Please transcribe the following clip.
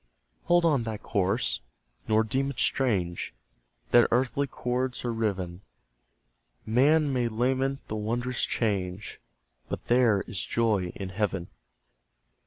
Hold on thy course, nor deem it strange That earthly cords are riven: Man may lament the wondrous change, But "there is joy in heaven!"